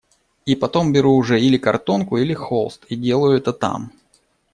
И потом беру уже или картонку, или холст, и делаю это там.